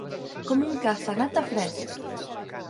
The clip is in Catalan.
Com un ca sanat de fresc.